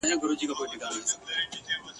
ښار او مالت ته مو ښادی او اخترونه لیکي ..